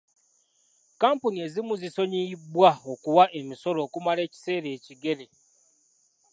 Kkampuni ezimu zisonyiyibwa okuwa emisolo okumala ekiseera ekigere.